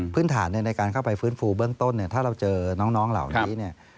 พื้นฐานในการเข้าไปฟื้นฟูเบื้องต้นถ้าเราเจอน้องเหล่านี้